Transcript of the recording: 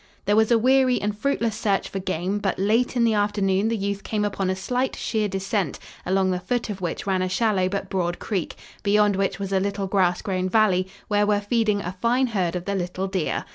There was a weary and fruitless search for game, but late in the afternoon the youth came upon a slight, sheer descent, along the foot of which ran a shallow but broad creek, beyond which was a little grass grown valley, where were feeding a fine herd of the little deer.